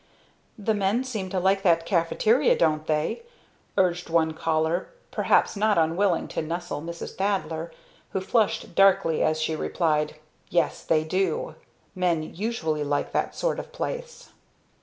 "The men seem to like that caffeteria, don't they?" urged one caller, perhaps not unwilling to nestle Mrs. Thaddler, who flushed darkly as she replied. "Yes, they do. Men usually like that sort of place."